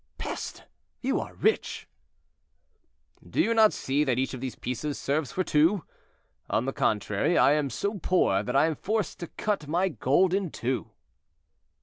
"Peste! you are rich." "Do you not see that each of these pieces serves for two? On the contrary, I am so poor that I am forced to cut my gold in two."